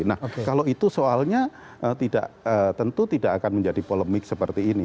nah kalau itu soalnya tentu tidak akan menjadi polemik seperti ini